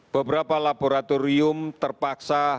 beberapa laboratorium terpaksa